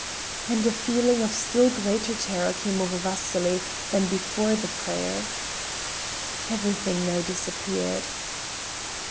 And a feeling of still greater terror came over Vasily than before the prayer. Everything now disappeared.